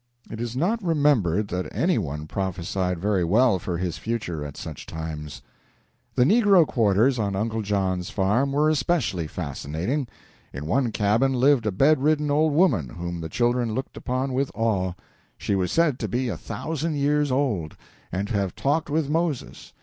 It is not remembered that any one prophesied very well for his future at such times. The negro quarters on Uncle John's farm were especially fascinating. In one cabin lived a bedridden old woman whom the children looked upon with awe. She was said to be a thousand years old, and to have talked with Moses.